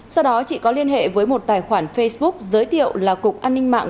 sau đó chị có liên hệ với một tài khoản facebook giới thiệu là cục an ninh mạng